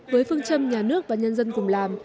với phương châm nhà nước và nhân dân cùng làm